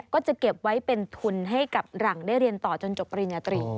ก็จะเก็บไว้เป็นทุนให้กับหลังได้เรียนต่อจนจบปริญญาตรี